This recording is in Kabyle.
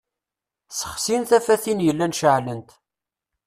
Sexsin tafatin yellan ceɛlent.